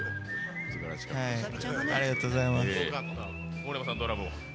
盛山さん、ドラム。